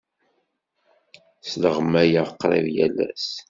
Sleɣmayeɣ qrib yal ass.